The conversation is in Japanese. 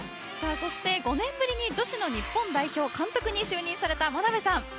そして５年ぶりに女子の日本代表監督に就任された眞鍋さん